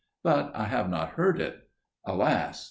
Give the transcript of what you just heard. But I have not heard it. Alas!